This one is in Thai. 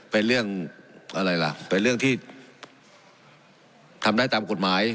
เป็นเรื่องอะไรล่ะเป็นเรื่องที่ทำได้ตามกฎหมาย